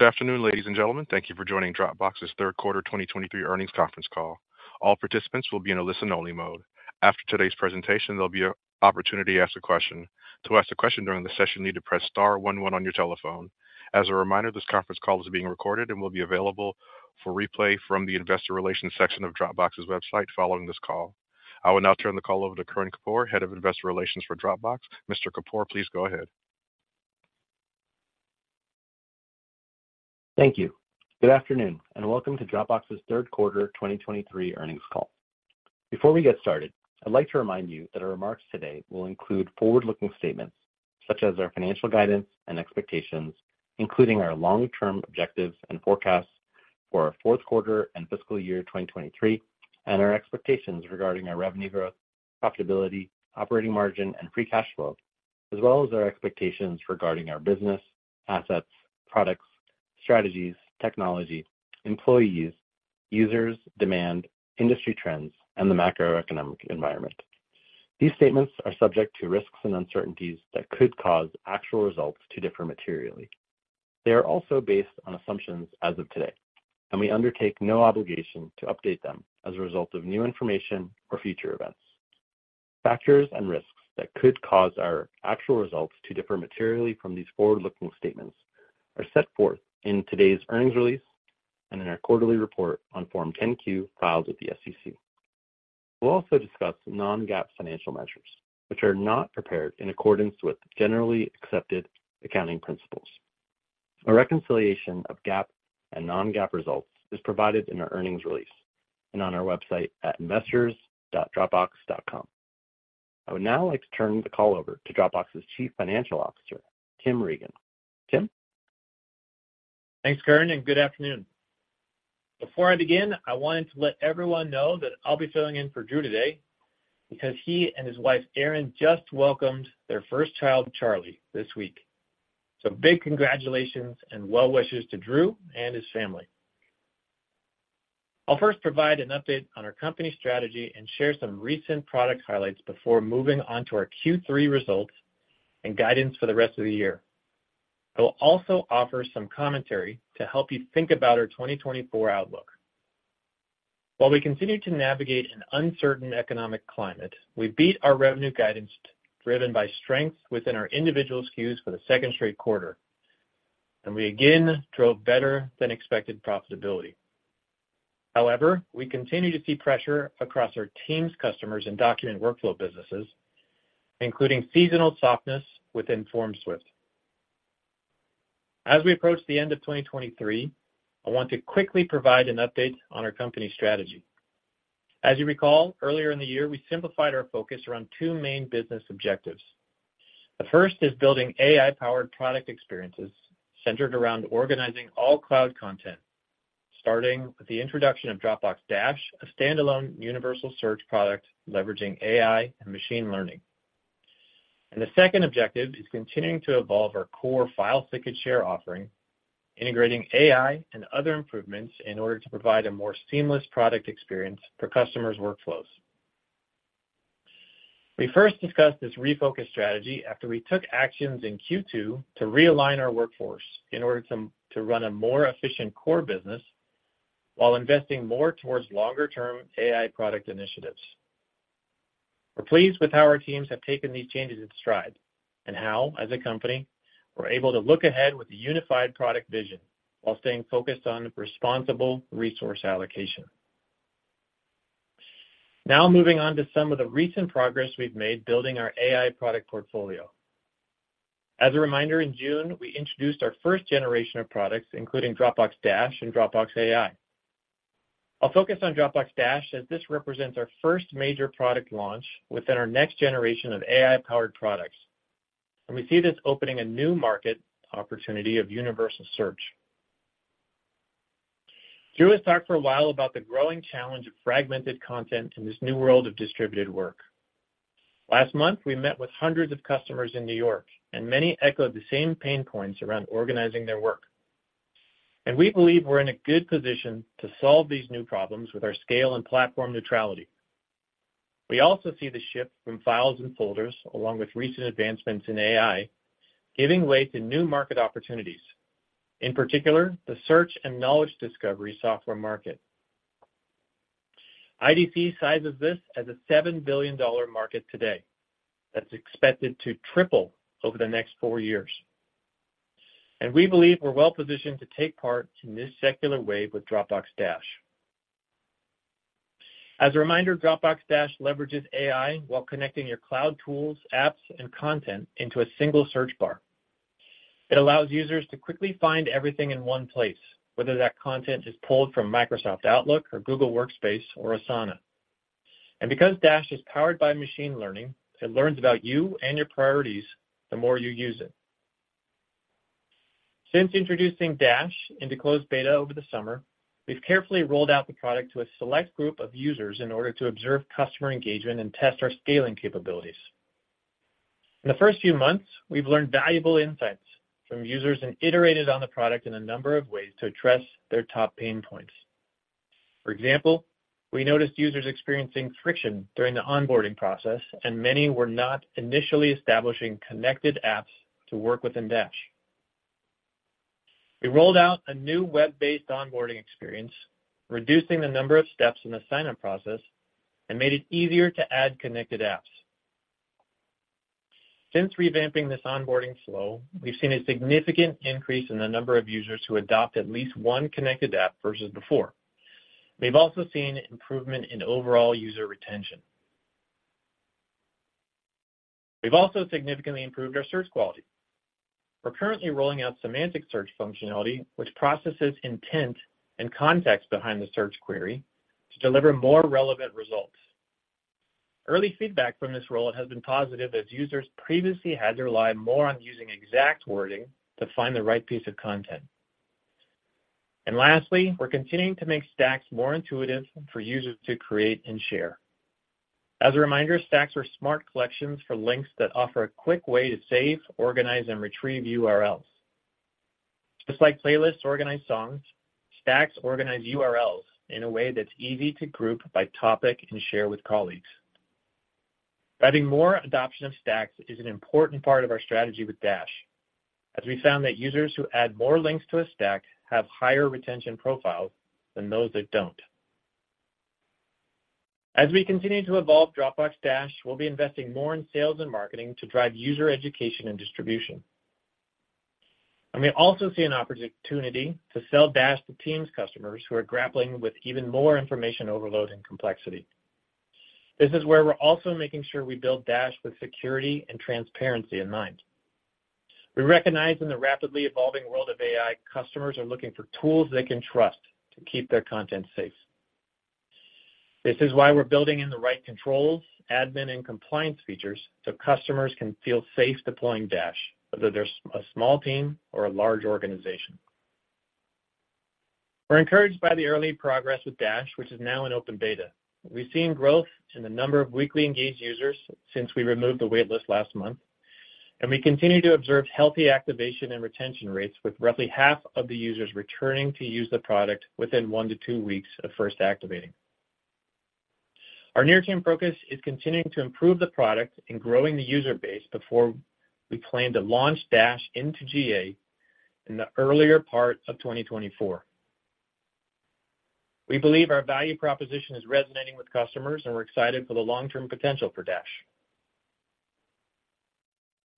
Good afternoon, ladies and gentlemen. Thank you for joining Dropbox third quarter 2023 earnings conference call. All participants will be in a listen-only mode. After today's presentation, there'll be an opportunity to ask a question. To ask a question during the session, you need to press star one one on your telephone. As a reminder, this conference call is being recorded and will be available for replay from the investor relations section of Dropbox website following this call. I will now turn the call over to Karan Kapoor, Head of Investor Relations for Dropbox. Mr. Kapoor, please go ahead. Thank you. Good afternoon, and welcome to Dropbox Third Quarter 2023 Earnings Call. Before we get started, I'd like to remind you that our remarks today will include forward-looking statements, such as our financial guidance and expectations, including our long-term objectives and forecasts for our fourth quarter and fiscal year 2023, and our expectations regarding our revenue growth, profitability, operating margin, and free cash flow, as well as our expectations regarding our business, assets, products, strategies, technology, employees, users, demand, industry trends, and the macroeconomic environment. These statements are subject to risks and uncertainties that could cause actual results to differ materially. They are also based on assumptions as of today, and we undertake no obligation to update them as a result of new information or future events. Factors and risks that could cause our actual results to differ materially from these forward-looking statements are set forth in today's earnings release and in our quarterly report on Form 10-Q, filed with the SEC. We'll also discuss non-GAAP financial measures, which are not prepared in accordance with generally accepted accounting principles. A reconciliation of GAAP and non-GAAP results is provided in our earnings release and on our website at investors.dropbox.com. I would now like to turn the call over to Dropbox Chief Financial Officer, Tim Regan. Tim? Thanks, Karan, and good afternoon. Before I begin, I wanted to let everyone know that I'll be filling in for Drew today because he and his wife, Erin, just welcomed their first child, Charlie, this week. So big congratulations and well wishes to Drew and his family. I'll first provide an update on our company strategy and share some recent product highlights before moving on to our Q3 results and guidance for the rest of the year. I will also offer some commentary to help you think about our 2024 outlook. While we continue to navigate an uncertain economic climate, we beat our revenue guidance, driven by strength within our individual SKUs for the second straight quarter, and we again drove better-than-expected profitability. However, we continue to see pressure across our teams, customers, and document workflow businesses, including seasonal softness within FormSwift. As we approach the end of 2023, I want to quickly provide an update on our company strategy. As you recall, earlier in the year, we simplified our focus around two main business objectives. The first is building AI-powered product experiences centered around organizing all cloud content, starting with the introduction of Dropbox Dash, a standalone universal search product leveraging AI and machine learning. The second objective is continuing to evolve our core file, sync, and share offering, integrating AI and other improvements in order to provide a more seamless product experience for customers' workflows. We first discussed this refocused strategy after we took actions in Q2 to realign our workforce in order to run a more efficient core business while investing more towards longer-term AI product initiatives. We're pleased with how our teams have taken these changes in stride and how, as a company, we're able to look ahead with a unified product vision while staying focused on responsible resource allocation. Now, moving on to some of the recent progress we've made building our AI product portfolio. As a reminder, in June, we introduced our first generation of products, including Dropbox Dash and Dropbox AI. I'll focus on Dropbox Dash, as this represents our first major product launch within our next generation of AI-powered products, and we see this opening a new market opportunity of universal search. Drew has talked for a while about the growing challenge of fragmented content in this new world of distributed work. Last month, we met with hundreds of customers in New York, and many echoed the same pain points around organizing their work. We believe we're in a good position to solve these new problems with our scale and platform neutrality. We also see the shift from files and folders, along with recent advancements in AI, giving way to new market opportunities, in particular, the search and knowledge discovery software market. IDC sizes this as a $7 billion market today that's expected to triple over the next four years, and we believe we're well positioned to take part in this secular wave with Dropbox Dash. As a reminder, Dropbox Dash leverages AI while connecting your cloud tools, apps, and content into a single search bar. It allows users to quickly find everything in one place, whether that content is pulled from Microsoft Outlook or Google Workspace or Asana. Because Dash is powered by machine learning, it learns about you and your priorities the more you use it. Since introducing Dash into closed beta over the summer, we've carefully rolled out the product to a select group of users in order to observe customer engagement and test our scaling capabilities. In the first few months, we've learned valuable insights from users and iterated on the product in a number of ways to address their top pain points... For example, we noticed users experiencing friction during the onboarding process, and many were not initially establishing connected apps to work within Dash. We rolled out a new web-based onboarding experience, reducing the number of steps in the sign-up process and made it easier to add connected apps. Since revamping this onboarding flow, we've seen a significant increase in the number of users who adopt at least one connected app versus before. We've also seen improvement in overall user retention. We've also significantly improved our search quality. We're currently rolling out semantic search functionality, which processes intent and context behind the search query to deliver more relevant results. Early feedback from this rollout has been positive, as users previously had to rely more on using exact wording to find the right piece of content. And lastly, we're continuing to make Stacks more intuitive for users to create and share. As a reminder, Stacks are smart collections for links that offer a quick way to save, organize, and retrieve URLs. Just like playlists organize songs, Stacks organize URLs in a way that's easy to group by topic and share with colleagues. Driving more adoption of Stacks is an important part of our strategy with Dash, as we found that users who add more links to a stack have higher retention profiles than those that don't. As we continue to evolve Dropbox Dash, we'll be investing more in sales and marketing to drive user education and distribution. And we also see an opportunity to sell Dash to team customers who are grappling with even more information overload and complexity. This is where we're also making sure we build Dash with security and transparency in mind. We recognize in the rapidly evolving world of AI, customers are looking for tools they can trust to keep their content safe. This is why we're building in the right controls, admin, and compliance features so customers can feel safe deploying Dash, whether they're a small team or a large organization. We're encouraged by the early progress with Dash, which is now in open beta. We've seen growth in the number of weekly engaged users since we removed the waitlist last month, and we continue to observe healthy activation and retention rates, with roughly half of the users returning to use the product within 1–2 weeks of first activating. Our near-term focus is continuing to improve the product and growing the user base before we plan to launch Dash into GA in the earlier part of 2024. We believe our value proposition is resonating with customers, and we're excited for the long-term potential for Dash.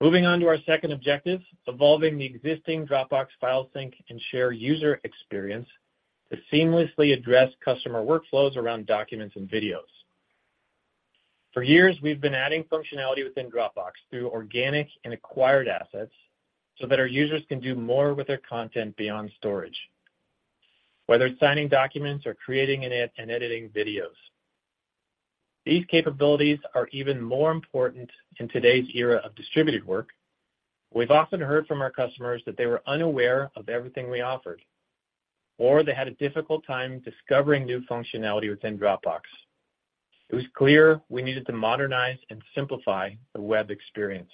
Moving on to our second objective, evolving the existing Dropbox file sync-and-share user experience to seamlessly address customer workflows around documents and videos. For years, we've been adding functionality within Dropbox through organic and acquired assets, so that our users can do more with their content beyond storage, whether it's signing documents or creating and editing videos. These capabilities are even more important in today's era of distributed work. We've often heard from our customers that they were unaware of everything we offered, or they had a difficult time discovering new functionality within Dropbox. It was clear we needed to modernize and simplify the web experience.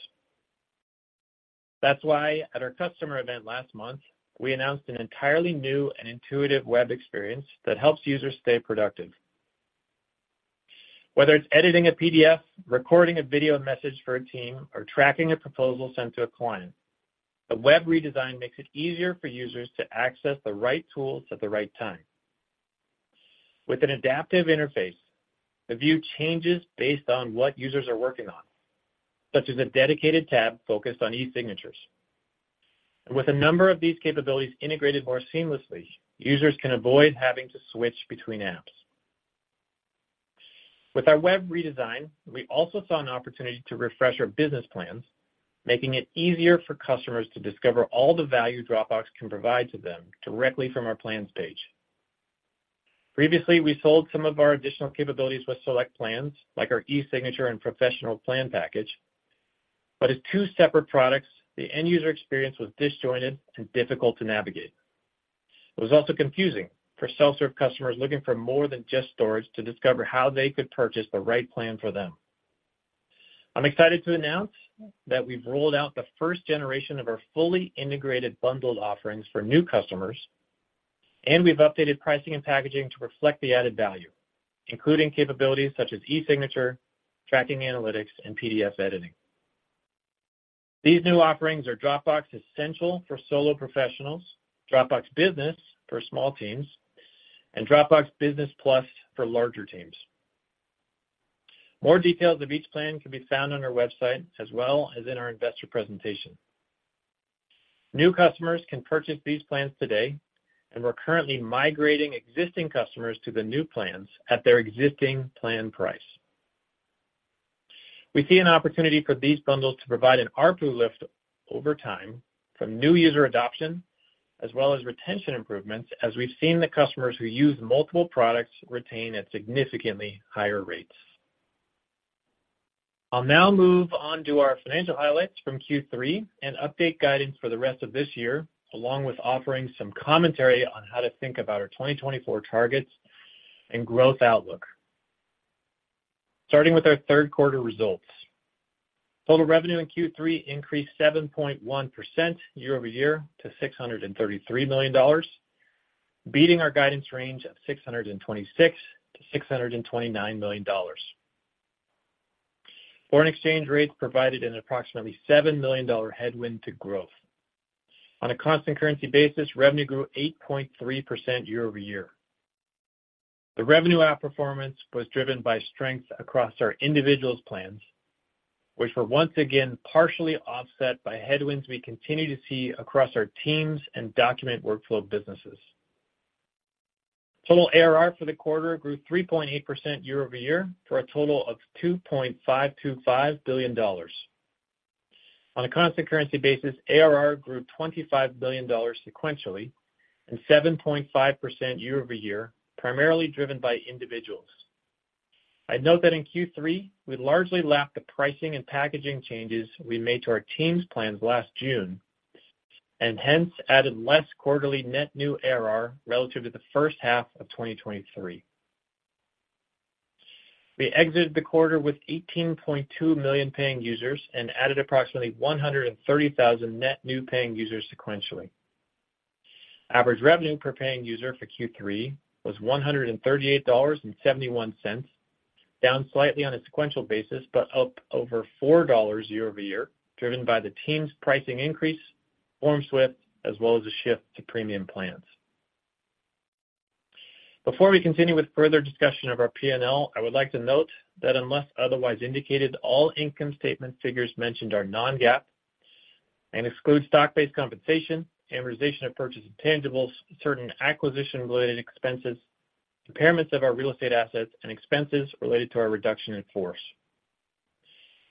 That's why, at our customer event last month, we announced an entirely new and intuitive web experience that helps users stay productive. Whether it's editing a PDF, recording a video message for a team, or tracking a proposal sent to a client, the web redesign makes it easier for users to access the right tools at the right time. With an adaptive interface, the view changes based on what users are working on, such as a dedicated tab focused on e-signatures. With a number of these capabilities integrated more seamlessly, users can avoid having to switch between apps. With our web redesign, we also saw an opportunity to refresh our business plans, making it easier for customers to discover all the value Dropbox can provide to them directly from our plans page. Previously, we sold some of our additional capabilities with select plans, like our e-signature and Professional plan package. As two separate products, the end user experience was disjointed and difficult to navigate. It was also confusing for self-serve customers looking for more than just storage to discover how they could purchase the right plan for them. I'm excited to announce that we've rolled out the first generation of our fully integrated bundled offerings for new customers, and we've updated pricing and packaging to reflect the added value, including capabilities such as e-signature, tracking analytics, and PDF editing. These new offerings are Dropbox Essentials for solo professionals, Dropbox Business for small teams, and Dropbox Business Plus for larger teams. More details of each plan can be found on our website as well as in our investor presentation. New customers can purchase these plans today, and we're currently migrating existing customers to the new plans at their existing plan price. We see an opportunity for these bundles to provide an ARPU lift over time from new user adoption, as well as retention improvements, as we've seen the customers who use multiple products retain at significantly higher rates. I'll now move on to our financial highlights from Q3 and update guidance for the rest of this year, along with offering some commentary on how to think about our 2024 targets and growth outlook. Starting with our third quarter results. Total revenue in Q3 increased 7.1% year-over-year to $633 million, beating our guidance range of $626 million-$629 million. Foreign exchange rates provided an approximately $7 million headwind to growth. On a constant currency basis, revenue grew 8.3% year-over-year. The revenue outperformance was driven by strength across our individual plans, which were once again partially offset by headwinds we continue to see across our teams and document workflow businesses. Total ARR for the quarter grew 3.8% year-over-year, to a total of $2.525 billion. On a constant currency basis, ARR grew $25 million sequentially and 7.5% year-over-year, primarily driven by individuals. I'd note that in Q3, we largely lacked the pricing and packaging changes we made to our Teams plans last June, and hence added less quarterly net new ARR relative to the first half of 2023. We exited the quarter with 18.2 million paying users and added approximately 130,000 net new paying users sequentially. Average revenue per paying user for Q3 was $138.71, down slightly on a sequential basis, but up over $4 year-over-year, driven by the Teams pricing increas, FormSwift, as well as a shift to premium plans. Before we continue with further discussion of our P&L, I would like to note that unless otherwise indicated, all income statement figures mentioned are non-GAAP and exclude stock-based compensation, amortization of purchased intangibles, certain acquisition-related expenses, impairments of our real estate assets, and expenses related to our reduction in force.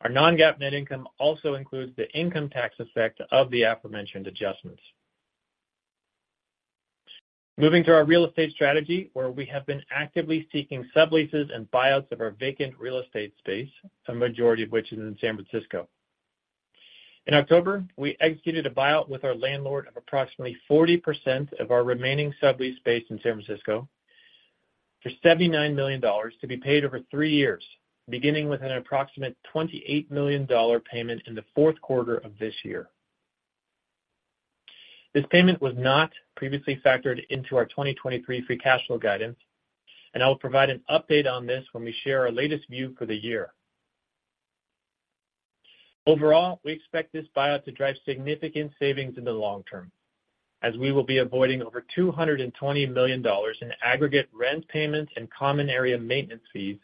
Our non-GAAP net income also includes the income tax effect of the aforementioned adjustments. Moving to our real estate strategy, where we have been actively seeking subleases and buyouts of our vacant real estate space, a majority of which is in San Francisco. In October, we executed a buyout with our landlord of approximately 40% of our remaining sublease space in San Francisco for $79 million to be paid over 3 years, beginning with an approximate $28 million payment in the fourth quarter of this year. This payment was not previously factored into our 2023 free cash flow guidance, and I will provide an update on this when we share our latest view for the year. Overall, we expect this buyout to drive significant savings in the long term, as we will be avoiding over $220 million in aggregate rent payments and common area maintenance fees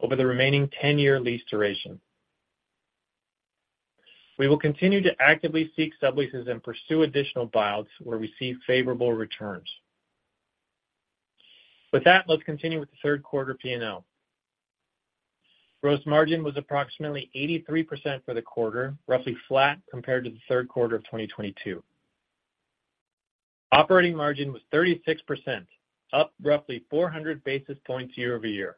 over the remaining 10-year lease duration. We will continue to actively seek subleases and pursue additional buyouts where we see favorable returns. With that, let's continue with the third quarter P&L. Gross margin was approximately 83% for the quarter, roughly flat compared to the third quarter of 2022. Operating margin was 36%, up roughly 400 basis points year-over-year.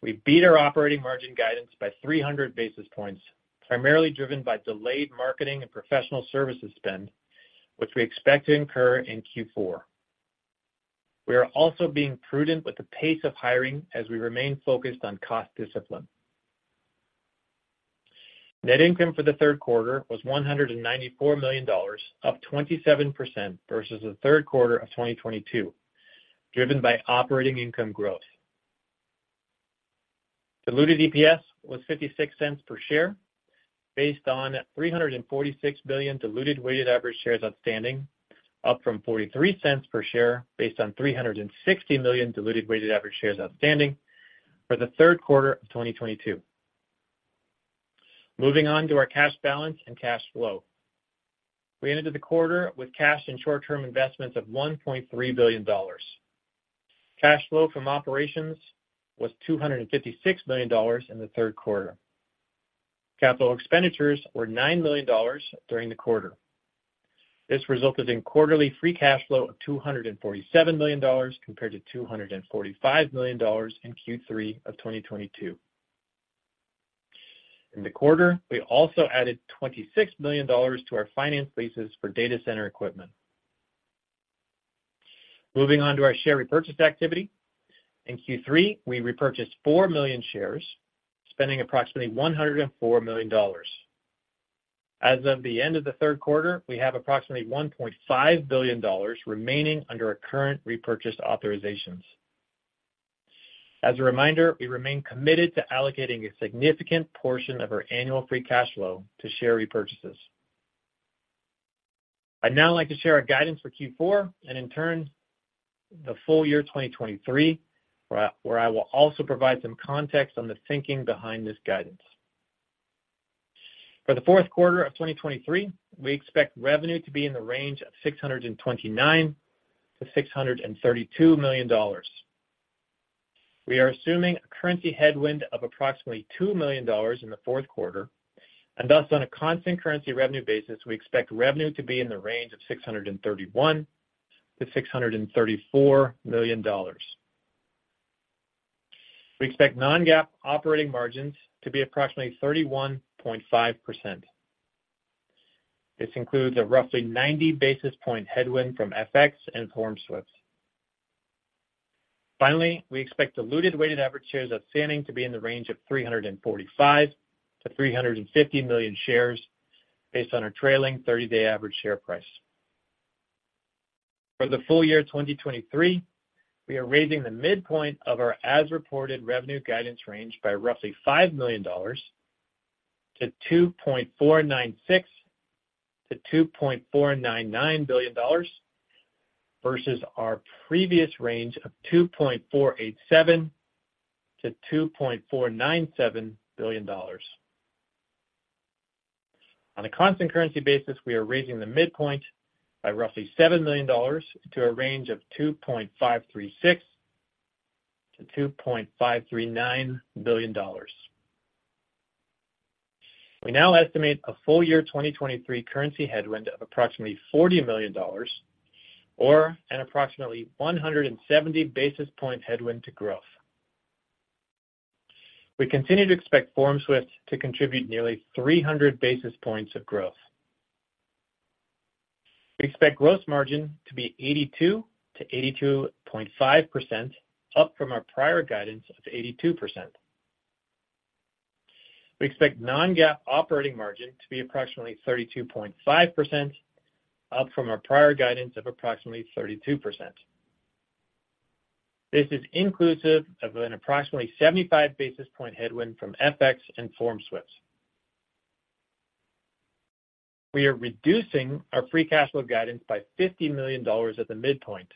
We beat our operating margin guidance by 300 basis points, primarily driven by delayed marketing and professional services spend, which we expect to incur in Q4. We are also being prudent with the pace of hiring as we remain focused on cost discipline. Net income for the third quarter was $194 million, up 27% versus the third quarter of 2022, driven by operating income growth. Diluted EPS was $0.56 per share, based on 346 million diluted weighted average shares outstanding, up from $0.43 per share, based on 360 million diluted weighted average shares outstanding for the third quarter of 2022. Moving on to our cash balance and cash flow. We entered the quarter with cash and short-term investments of $1.3 billion. Cash flow from operations was $256 million in the third quarter. Capital expenditures were $9 million during the quarter. This resulted in quarterly free cash flow of $247 million, compared to $245 million in Q3 of 2022. In the quarter, we also added $26 million to our finance leases for data center equipment. Moving on to our share repurchase activity. In Q3, we repurchased 4 million shares, spending approximately $104 million. As of the end of the third quarter, we have approximately $1.5 billion remaining under our current repurchase authorizations. As a reminder, we remain committed to allocating a significant portion of our annual free cash flow to share repurchases. I'd now like to share our guidance for Q4, and in turn, the full year 2023, where I will also provide some context on the thinking behind this guidance. For the fourth quarter of 2023, we expect revenue to be in the range of $629 million–$632 million. We are assuming a currency headwind of approximately $2 million in the fourth quarter, and thus, on a constant currency revenue basis, we expect revenue to be in the range of $631 million-$634 million. We expect non-GAAP operating margins to be approximately 31.5%.... This includes a roughly 90 basis point headwind from FX and FormSwift. Finally, we expect diluted weighted average shares outstanding to be in the range of 345–350 million shares, based on our trailing 30-day average share price. For the full year 2023, we are raising the midpoint of our as-reported revenue guidance range by roughly $5 million to $2.496 billion–$2.499 billion, versus our previous range of $2.487 billion–$2.497 billion. On a constant currency basis, we are raising the midpoint by roughly $7 million to a range of $2.536 billion–$2.539 billion. We now estimate a full year 2023 currency headwind of approximately $40 million, or an approximately 170 basis point headwind to growth. We continue to expect FormSwift to contribute nearly 300 basis points of growth. We expect gross margin to be 82%–82.5%, up from our prior guidance of 82%. We expect non-GAAP operating margin to be approximately 32.5%, up from our prior guidance of approximately 32%. This is inclusive of an approximately 75 basis point headwind from FX and FormSwift. We are reducing our free cash flow guidance by $50 million at the midpoint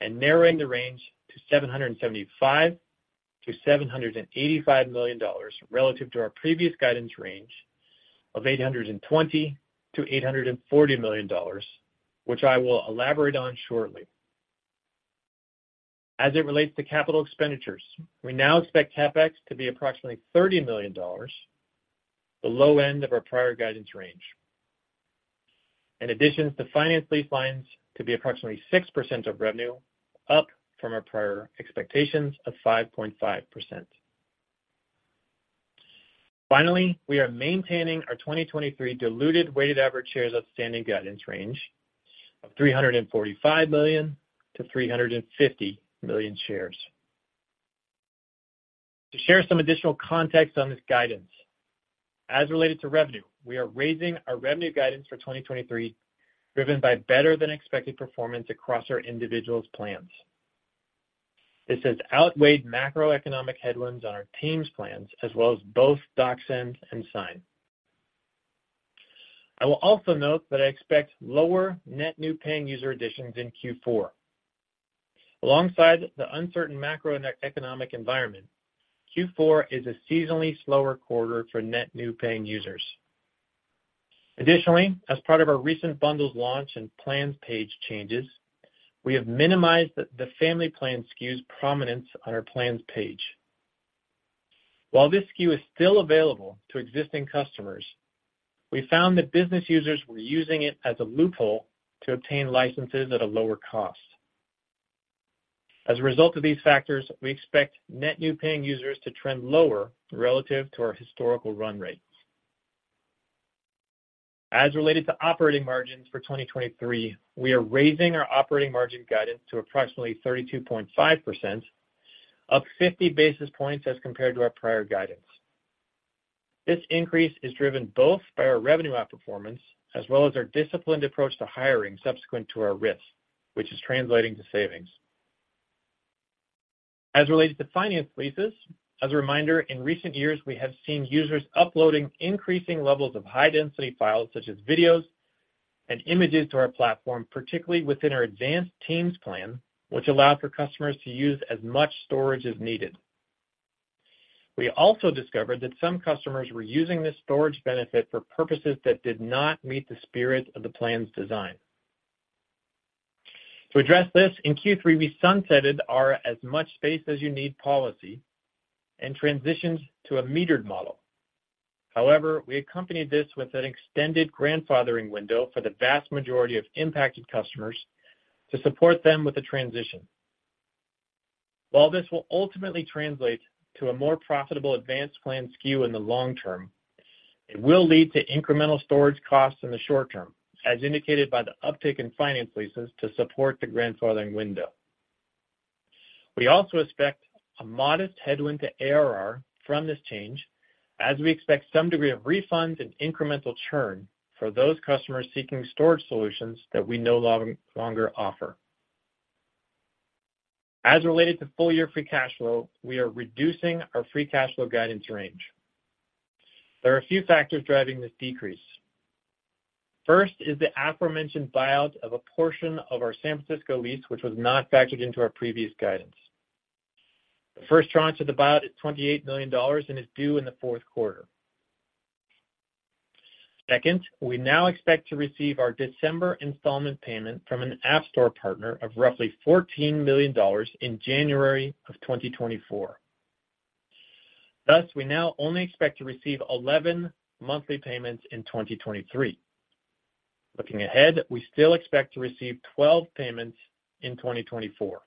and narrowing the range to $775 million–$785 million, relative to our previous guidance range of $820 million–$840 million, which I will elaborate on shortly. As it relates to capital expenditures, we now expect CapEx to be approximately $30 million, the low end of our prior guidance range. In addition, the finance lease lines to be approximately 6% of revenue, up from our prior expectations of 5.5%. Finally, we are maintaining our 2023 diluted weighted average shares outstanding guidance range of 345 million–350 million shares. To share some additional context on this guidance, as related to revenue, we are raising our revenue guidance for 2023, driven by better-than-expected performance across our individual plans. This has outweighed macroeconomic headwinds on our teams plans, as well as both DocSend and Sign. I will also note that I expect lower net new paying user additions in Q4. Alongside the uncertain macroeconomic environment, Q4 is a seasonally slower quarter for net new paying users. Additionally, as part of our recent bundles launch and plans page changes, we have minimized the Family Plan SKU’s prominence on our plans page. While this SKU is still available to existing customers, we found that business users were using it as a loophole to obtain licenses at a lower cost. As a result of these factors, we expect net new paying users to trend lower relative to our historical run rates. As related to operating margins for 2023, we are raising our operating margin guidance to approximately 32.5%, up 50 basis points as compared to our prior guidance. This increase is driven both by our revenue outperformance, as well as our disciplined approach to hiring subsequent to our RIF, which is translating to savings. As related to finance leases, as a reminder, in recent years, we have seen users uploading increasing levels of high-density files, such as videos and images, to our platform, particularly within our Advanced teams plan, which allow for customers to use as much storage as needed. We also discovered that some customers were using this storage benefit for purposes that did not meet the spirit of the plan's design. To address this, in Q3, we sunsetted our As Much Space As You Need policy and transitioned to a metered model. However, we accompanied this with an extended grandfathering window for the vast majority of impacted customers to support them with the transition. While this will ultimately translate to a more profitable Advanced plan SKU in the long term, it will lead to incremental storage costs in the short term, as indicated by the uptick in finance leases to support the grandfathering window. We also expect a modest headwind to ARR from this change, as we expect some degree of refunds and incremental churn for those customers seeking storage solutions that we no longer offer. As related to full-year free cash flow, we are reducing our free cash flow guidance range. There are a few factors driving this decrease. First is the aforementioned buyout of a portion of our San Francisco lease, which was not factored into our previous guidance. The first tranche of the buyout is $28 million and is due in the fourth quarter. Second, we now expect to receive our December installment payment from an App Store partner of roughly $14 million in January 2024. Thus, we now only expect to receive 11 monthly payments in 2023. Looking ahead, we still expect to receive 12 payments in 2024.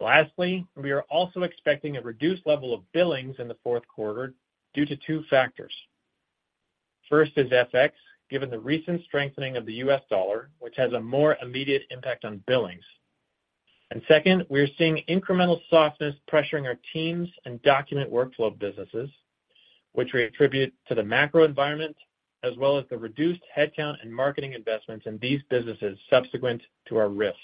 Lastly, we are also expecting a reduced level of billings in the fourth quarter due to two factors. First is FX, given the recent strengthening of the U.S. dollar, which has a more immediate impact on billings. And second, we are seeing incremental softness pressuring our teams and document workflow businesses, which we attribute to the macro environment, as well as the reduced headcount and marketing investments in these businesses subsequent to our RIF.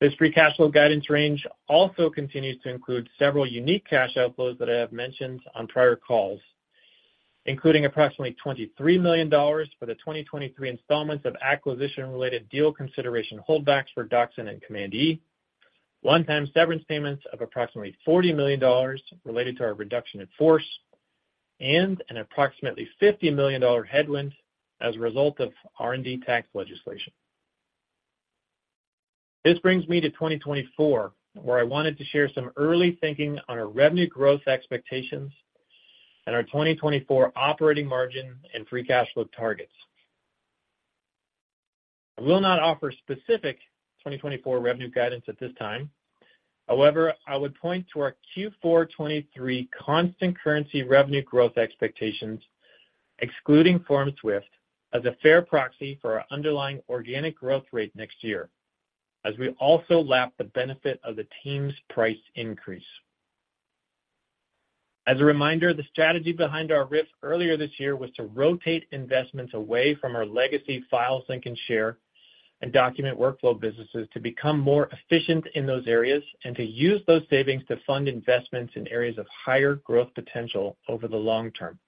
This free cash flow guidance range also continues to include several unique cash outflows that I have mentioned on prior calls, including approximately $23 million for the 2023 installments of acquisition-related deal consideration holdbacks for DocSend and Command E, one-time severance payments of approximately $40 million related to our reduction in force, and an approximately $50 million headwind as a result of R&D tax legislation. This brings me to 2024, where I wanted to share some early thinking on our revenue growth expectations and our 2024 operating margin and free cash flow targets. I will not offer specific 2024 revenue guidance at this time. However, I would point to our Q4 2023 constant currency revenue growth expectations, excluding FormSwift, as a fair proxy for our underlying organic growth rate next year, as we also lap the benefit of the Teams price increase. As a reminder, the strategy behind our RIF earlier this year was to rotate investments away from our legacy file, sync, and share, and document workflow businesses to become more efficient in those areas, and to use those savings to fund investments in areas of higher growth potential over the long term.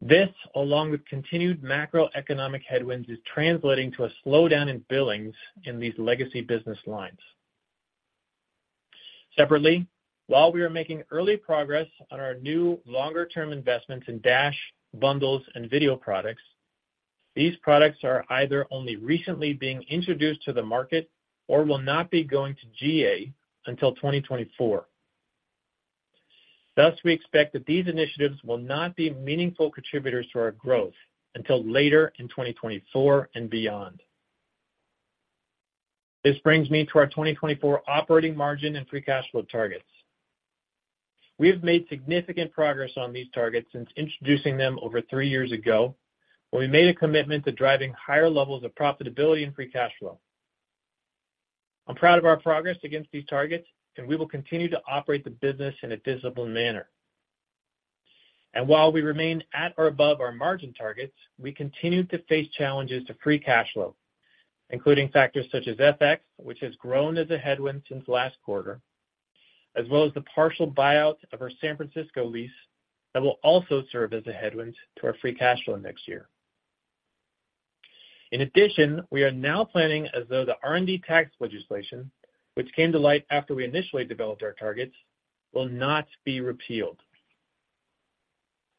This, along with continued macroeconomic headwinds, is translating to a slowdown in billings in these legacy business lines. Separately, while we are making early progress on our new longer-term investments in Dash, bundles, and video products, these products are either only recently being introduced to the market or will not be going to GA until 2024. Thus, we expect that these initiatives will not be meaningful contributors to our growth until later in 2024 and beyond. This brings me to our 2024 operating margin and free cash flow targets. We have made significant progress on these targets since introducing them over three years ago, when we made a commitment to driving higher levels of profitability and Free Cash Flow. I'm proud of our progress against these targets, and we will continue to operate the business in a disciplined manner. While we remain at or above our margin targets, we continue to face challenges to Free Cash Flow, including factors such as FX, which has grown as a headwind since last quarter, as well as the partial buyout of our San Francisco lease that will also serve as a headwind to our Free Cash Flow next year. In addition, we are now planning as though the R&D tax legislation, which came to light after we initially developed our targets, will not be repealed.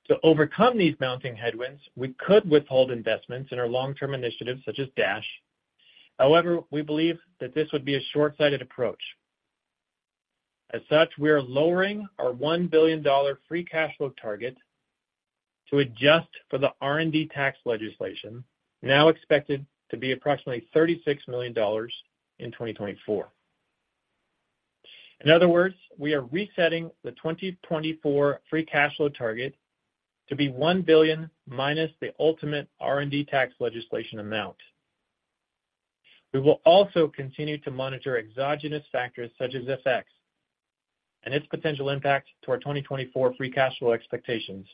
To overcome these mounting headwinds, we could withhold investments in our long-term initiatives, such as Dash. However, we believe that this would be a short-sighted approach. As such, we are lowering our $1 billion Free Cash Flow target to adjust for the R&D tax legislation, now expected to be approximately $36 million in 2024. In other words, we are resetting the 2024 Free Cash Flow target to be $1 billion minus the ultimate R&D tax legislation amount. We will also continue to monitor exogenous factors such as FX and its potential impact to our 2024 Free Cash Flow expectations,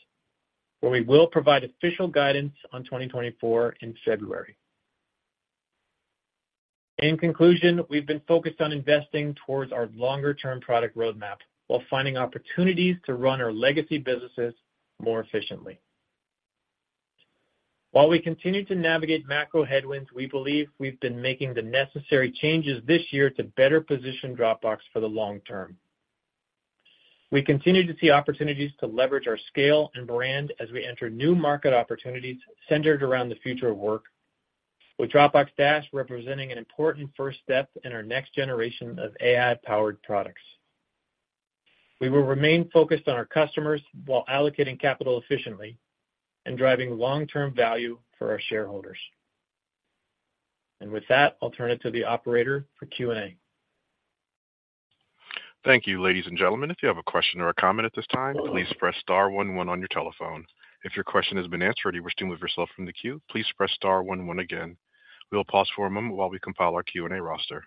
where we will provide official guidance on 2024 in February. In conclusion, we've been focused on investing towards our longer-term product roadmap while finding opportunities to run our legacy businesses more efficiently. While we continue to navigate macro headwinds, we believe we've been making the necessary changes this year to better position Dropbox for the long term. We continue to see opportunities to leverage our scale and brand as we enter new market opportunities centered around the future of work, with Dropbox Dash representing an important first step in our next generation of AI-powered products. We will remain focused on our customers while allocating capital efficiently and driving long-term value for our shareholders. With that, I'll turn it to the operator for Q&A. Thank you, ladies and gentlemen. If you have a question or a comment at this time, please press star one one on your telephone. If your question has been answered or you wish to move yourself from the queue, please press star one one again. We will pause for a moment while we compile our Q&A roster.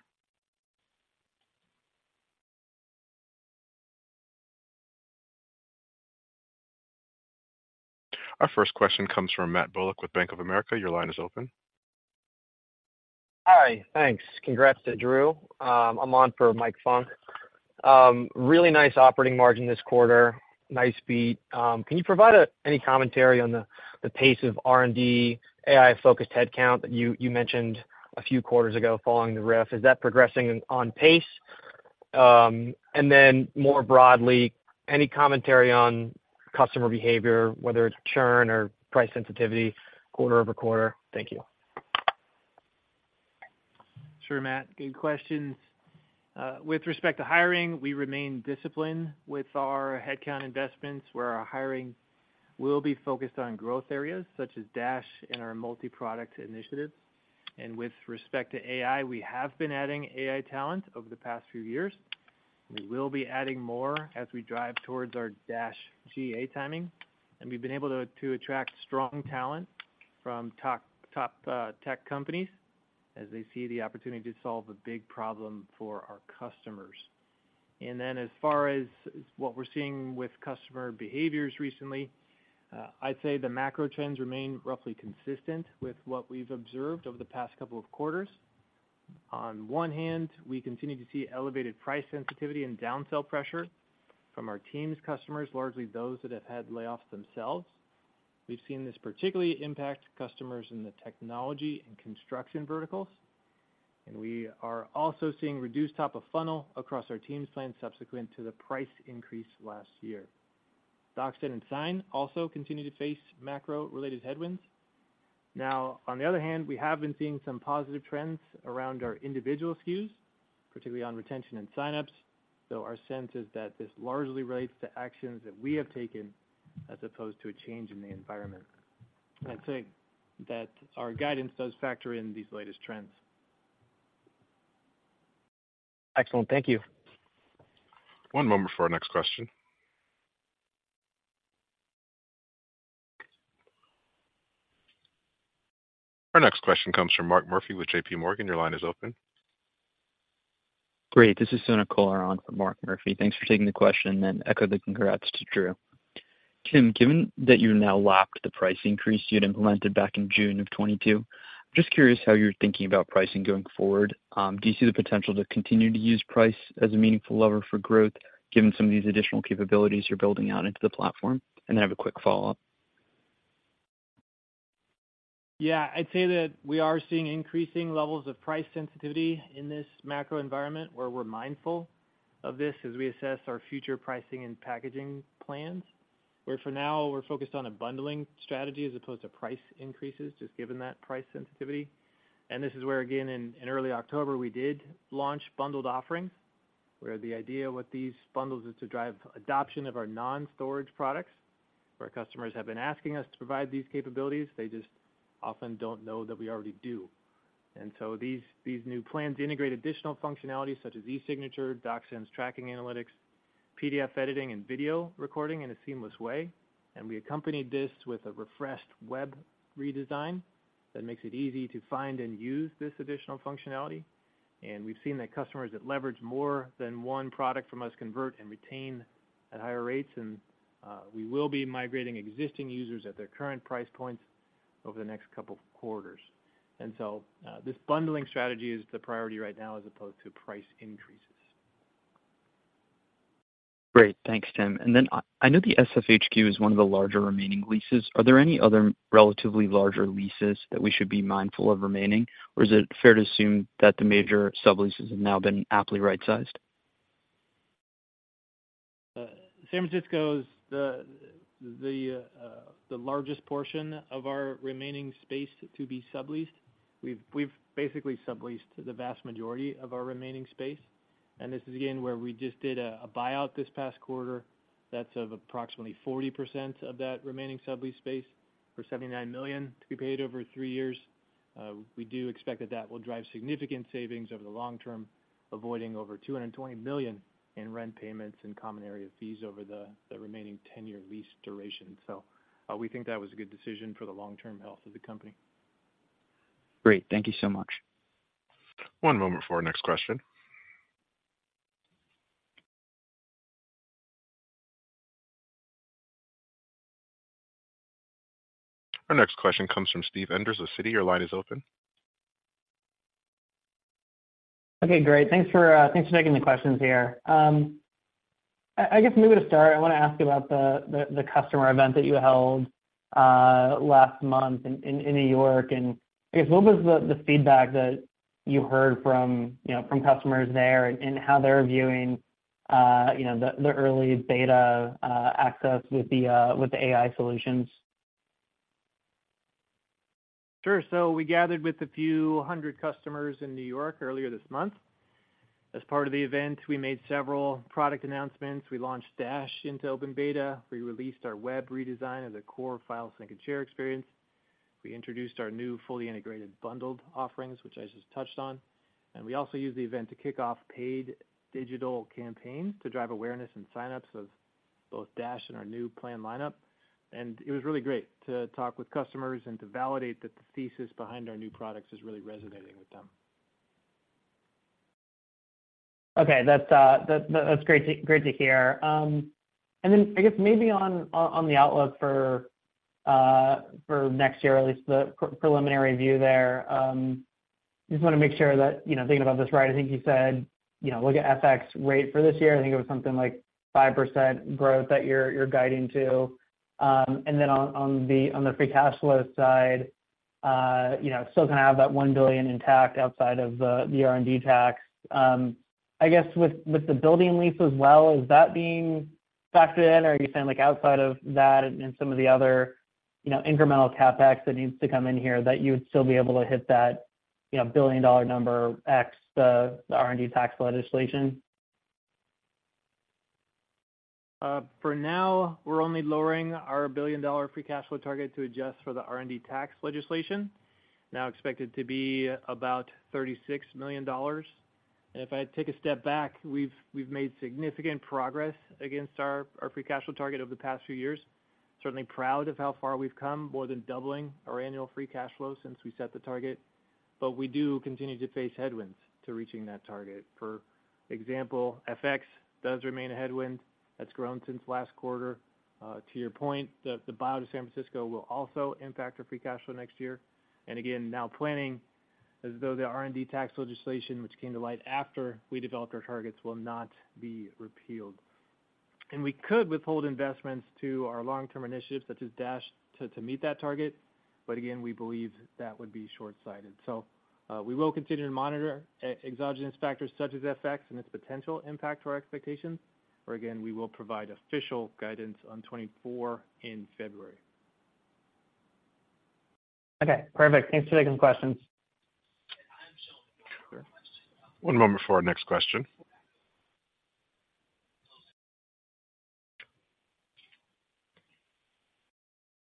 Our first question comes from Matt Bullock with Bank of America. Your line is open. Hi. Thanks. Congrats to Drew. I'm on for Mike Funk. Really nice operating margin this quarter. Nice beat. Can you provide any commentary on the pace of R&D, AI-focused headcount that you mentioned a few quarters ago following the RIF? Is that progressing on pace? And then more broadly, any commentary on customer behavior, whether it's churn or price sensitivity, quarter-over-quarter? Thank you. Sure, Matt. Good questions. With respect to hiring, we remain disciplined with our headcount investments, where our hiring will be focused on growth areas such as Dash and our multi-product initiatives. And with respect to AI, we have been adding AI talent over the past few years. We will be adding more as we drive towards our Dash GA timing, and we've been able to attract strong talent from top tech companies as they see the opportunity to solve a big problem for our customers. And then as far as what we're seeing with customer behaviors recently, I'd say the macro trends remain roughly consistent with what we've observed over the past couple of quarters. On one hand, we continue to see elevated price sensitivity and down-sell pressure from our Teams customers, largely those that have had layoffs themselves. We've seen this particularly impact customers in the technology and construction verticals, and we are also seeing reduced top of funnel across our teams plan subsequent to the price increase last year. DocSend and Sign also continue to face macro-related headwinds. Now, on the other hand, we have been seeing some positive trends around our individual SKUs, particularly on retention and sign-ups, though our sense is that this largely relates to actions that we have taken as opposed to a change in the environment. I'd say that our guidance does factor in these latest trends. Excellent. Thank you. One moment for our next question. Our next question comes from Mark Murphy with JP Morgan. Your line is open. Great, this is Sonali Kolhatkar for Mark Murphy. Thanks for taking the question, and echo the congrats to Drew. Tim, given that you now lapped the price increase you had implemented back in June of 2022, just curious how you're thinking about pricing going forward. Do you see the potential to continue to use price as a meaningful lever for growth, given some of these additional capabilities you're building out into the platform? And I have a quick follow-up. Yeah, I'd say that we are seeing increasing levels of price sensitivity in this macro environment, where we're mindful of this as we assess our future pricing and packaging plans, where for now, we're focused on a bundling strategy as opposed to price increases, just given that price sensitivity. And this is where, again, in early October, we did launch bundled offerings, where the idea with these bundles is to drive adoption of our non-storage products, where customers have been asking us to provide these capabilities. They just often don't know that we already do. And so these new plans integrate additional functionalities such as e-signature, DocSend's tracking analytics, PDF editing, and video recording in a seamless way. And we accompanied this with a refreshed web redesign that makes it easy to find and use this additional functionality. We've seen that customers that leverage more than one product from us convert and retain at higher rates, and we will be migrating existing users at their current price points over the next couple of quarters. So, this bundling strategy is the priority right now as opposed to price increases. Great. Thanks, Tim. Then I know the SFHQ is one of the larger remaining leases. Are there any other relatively larger leases that we should be mindful of remaining, or is it fair to assume that the major subleases have now been aptly right-sized? San Francisco is the largest portion of our remaining space to be subleased. We've basically subleased the vast majority of our remaining space, and this is, again, where we just did a buyout this past quarter. That's of approximately 40% of that remaining sublease space for $79 million to be paid over 3 years. We do expect that that will drive significant savings over the long term, avoiding over $220 million in rent payments and common area fees over the remaining 10-year lease duration. So, we think that was a good decision for the long-term health of the company. Great. Thank you so much. One moment for our next question. Our next question comes from Steve Enders of Citi. Your line is open. Okay, great. Thanks for taking the questions here. I guess maybe to start, I want to ask you about the customer event that you held last month in New York, and I guess what was the feedback that you heard from, you know, from customers there and how they're viewing, you know, the early beta access with the AI solutions? Sure. So we gathered with a few hundred customers in New York earlier this month. As part of the event, we made several product announcements. We launched Dash into open beta. We released our web redesign of the core file sync-and-share experience. We introduced our new fully integrated bundled offerings, which I just touched on, and we also used the event to kick off paid digital campaigns to drive awareness and sign-ups of both Dash and our new plan lineup. And it was really great to talk with customers and to validate that the thesis behind our new products is really resonating with them. Okay. That's great to hear. And then I guess maybe on the outlook for next year, at least the preliminary view there, just wanna make sure that, you know, thinking about this right, I think you said, you know, look at FX rate for this year. I think it was something like 5% growth that you're guiding to. And then on the free cash flow side, you know, still gonna have that $1 billion intact outside of the R&D tax. I guess, with the building lease as well, is that being factored in, or are you saying, like, outside of that and some of the other... You know, incremental CapEx that needs to come in here, that you would still be able to hit that, you know, billion-dollar number X, the R&D tax legislation? For now, we're only lowering our billion-dollar free cash flow target to adjust for the R&D tax legislation, now expected to be about $36 million. And if I take a step back, we've made significant progress against our free cash flow target over the past few years. Certainly proud of how far we've come, more than doubling our annual free cash flow since we set the target. But we do continue to face headwinds to reaching that target. For example, FX does remain a headwind that's grown since last quarter. To your point, the buyout of San Francisco will also impact our free cash flow next year. And again, now planning as though the R&D tax legislation, which came to light after we developed our targets, will not be repealed. We could withhold investments to our long-term initiatives, such as Dash, to meet that target. But again, we believe that would be shortsighted. So, we will continue to monitor exogenous factors such as FX and its potential impact to our expectations. Where, again, we will provide official guidance on 2024 in February. Okay, perfect. Thanks for taking the question. One moment before our next question.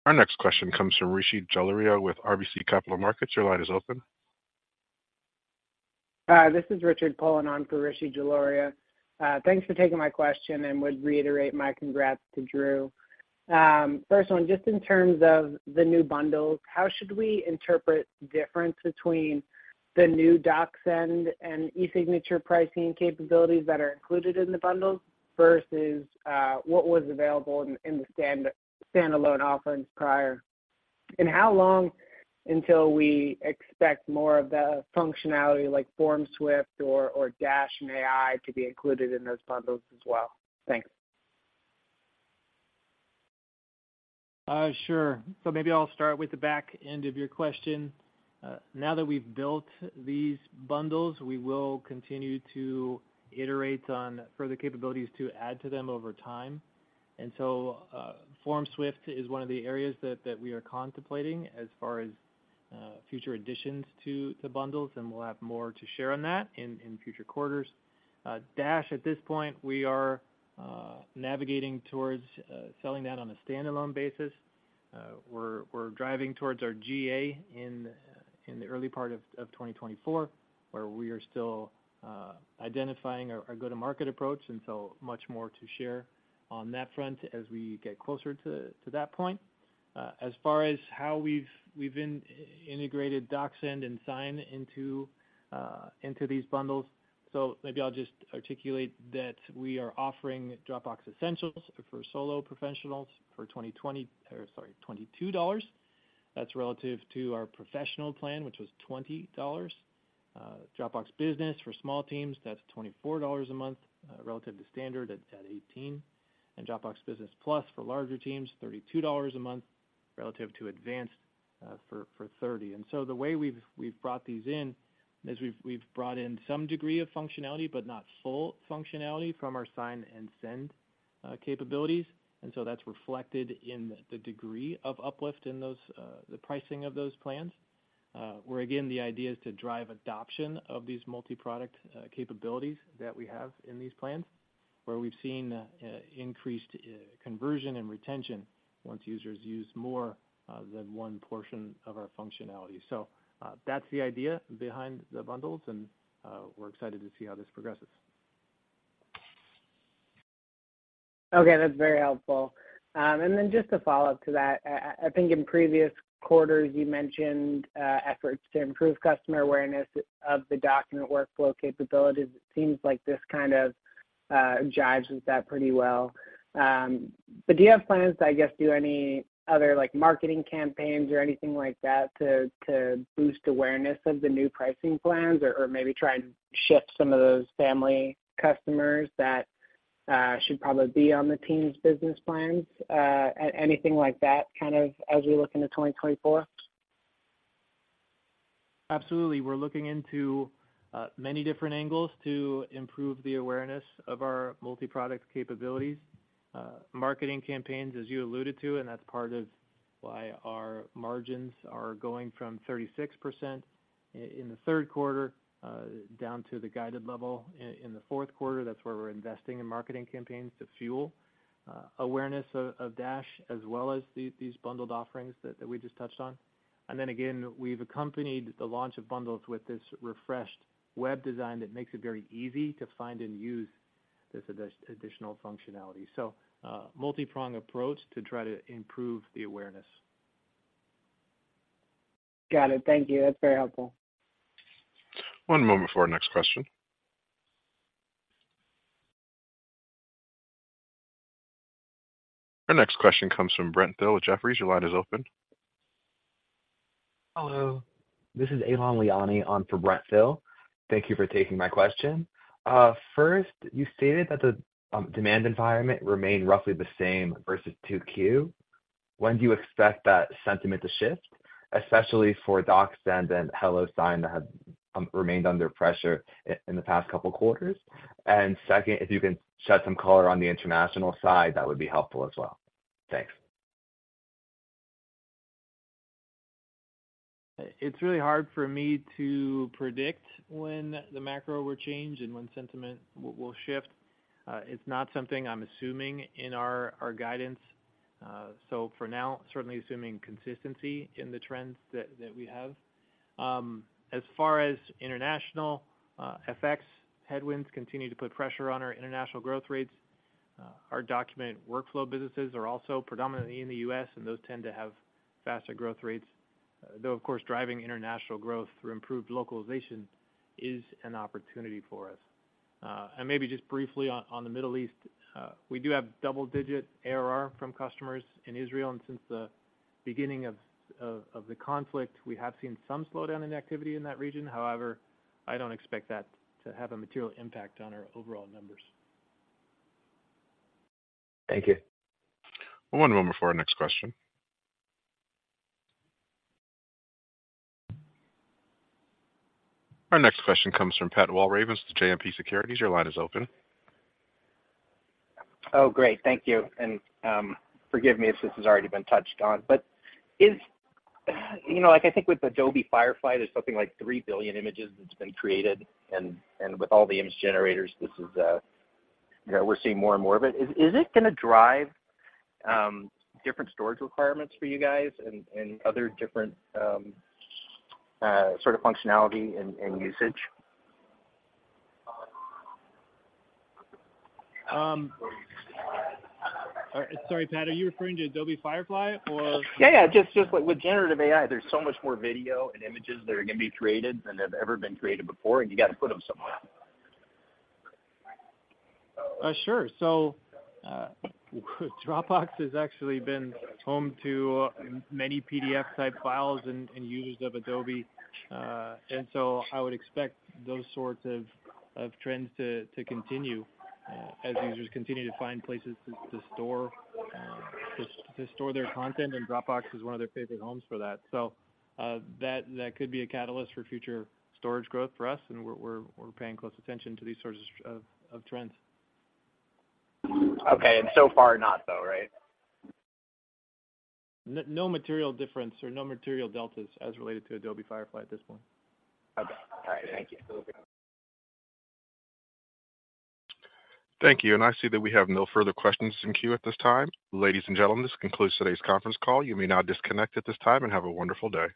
Our next question comes from Rishi Jaluria with RBC Capital Markets. Your line is open. Hi, this is Richard Poland on for Rishi Jaluria. Thanks for taking my question, and would reiterate my congrats to Drew. First one, just in terms of the new bundles, how should we interpret the difference between the new DocSend and e-signature pricing capabilities that are included in the bundles versus what was available in the standalone offerings prior? And how long until we expect more of the functionality, like FormSwift or Dash and AI, to be included in those bundles as well? Thanks. Sure. So maybe I'll start with the back end of your question. Now that we've built these bundles, we will continue to iterate on further capabilities to add to them over time. And so, FormSwift is one of the areas that we are contemplating as far as future additions to bundles, and we'll have more to share on that in future quarters. Dash, at this point, we are navigating towards selling that on a standalone basis. We're driving towards our GA in the early part of 2024, where we are still identifying our go-to-market approach, and so much more to share on that front as we get closer to that point. As far as how we've integrated DocSend and Sign into these bundles. So maybe I'll just articulate that we are offering Dropbox Essentials for solo professionals for $22. That's relative to our Professional plan, which was $20. Dropbox Business for small teams, that's $24 a month, relative to Standard at $18. And Dropbox Business Plus for larger teams, $32 a month, relative to Advanced for $30. And so the way we've brought these in is we've brought in some degree of functionality, but not full functionality from our Sign and DocSend capabilities. And so that's reflected in the degree of uplift in those, the pricing of those plans. Where again, the idea is to drive adoption of these multi-product capabilities that we have in these plans, where we've seen increased conversion and retention once users use more than one portion of our functionality. So, that's the idea behind the bundles, and we're excited to see how this progresses. Okay, that's very helpful. Then just to follow up to that, I think in previous quarters you mentioned efforts to improve customer awareness of the document workflow capabilities. It seems like this kind of jibes with that pretty well. Do you have plans to, I guess, do any other, like, marketing campaigns or anything like that to boost awareness of the new pricing plans? Or maybe try and shift some of those family customers that should probably be on the teams business plans, anything like that, kind of as we look into 2024? Absolutely. We're looking into many different angles to improve the awareness of our multi-product capabilities. Marketing campaigns, as you alluded to, and that's part of why our margins are going from 36% in the third quarter down to the guided level in the fourth quarter. That's where we're investing in marketing campaigns to fuel awareness of Dash, as well as these bundled offerings that we just touched on. And then again, we've accompanied the launch of bundles with this refreshed web design that makes it very easy to find and use this additional functionality. So, multipronged approach to try to improve the awareness. Got it. Thank you. That's very helpful. One moment before our next question. Our next question comes from Brent Thill with Jefferies. Your line is open. Hello, this is Alon Liani on for Brent Thill. Thank you for taking my question. First, you stated that the demand environment remained roughly the same versus 2Q. When do you expect that sentiment to shift, especially for DocSend and HelloSign that remained under pressure in the past couple quarters? And second, if you can shed some color on the international side, that would be helpful as well. Thanks. It's really hard for me to predict when the macro will change and when sentiment will shift. It's not something I'm assuming in our guidance. So for now, certainly assuming consistency in the trends that we have. As far as international, FX headwinds continue to put pressure on our international growth rates. Our documented workflow businesses are also predominantly in the U.S., and those tend to have faster growth rates, though of course driving international growth through improved localization is an opportunity for us. And maybe just briefly on the Middle East, we do have double-digit ARR from customers in Israel, and since the beginning of the conflict, we have seen some slowdown in activity in that region. However, I don't expect that to have a material impact on our overall numbers. Thank you. One moment for our next question. Our next question comes from Pat Walravens with JMP Securities. Your line is open. Oh, great. Thank you. And, forgive me if this has already been touched on, but is. You know, like I think with Adobe Firefly, there's something like 3 billion images that's been created, and with all the image generators, this is, you know, we're seeing more and more of it. Is it gonna drive different storage requirements for you guys and other different sort of functionality and usage? Sorry, Pat, are you referring to Adobe Firefly or? Yeah, yeah, just, just with generative AI, there's so much more video and images that are going to be created than have ever been created before, and you got to put them somewhere. Sure. So, Dropbox has actually been home to many PDF-type files and users of Adobe. And so I would expect those sorts of trends to continue, as users continue to find places to store their content, and Dropbox is one of their favorite homes for that. So, that could be a catalyst for future storage growth for us, and we're paying close attention to these sorts of trends. Okay. So far not, though, right? No material difference or no material deltas as related to Adobe Firefly at this point. Okay. All right, thank you. Thank you. I see that we have no further questions in queue at this time. Ladies and gentlemen, this concludes today's conference call. You may now disconnect at this time, and have a wonderful day.